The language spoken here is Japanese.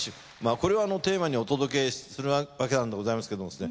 これをテーマにお届けするわけなんでございますけどもですね